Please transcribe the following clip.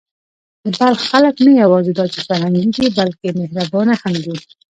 د بلخ خلک نه یواځې دا چې فرهنګي دي، بلکې مهربانه هم دي.